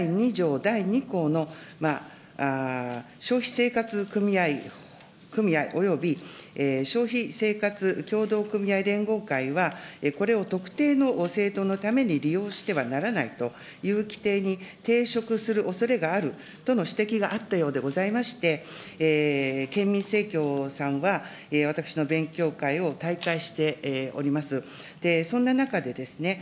第２項の消費生活組合、および消費生活協同組合連合会はこれを特定の政党のために利用してはならないというきていに抵触するおそれがあるとの指摘があったようでございまして、県民せいきょうさんは私の勉強会を退会しております。